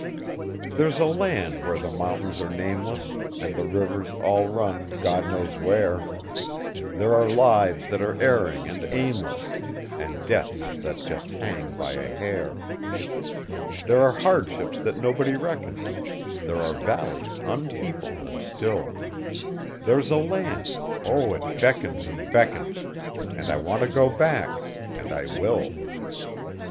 There's a land where the mountains are nameless, And the rivers all run God knows where; There are lives that are erring and aimless, And deaths that just hang by a hair; There are hardships that nobody reckons; There are valleys unpeopled and still; There's a land oh, it beckons and beckons, And I want to go back and I will.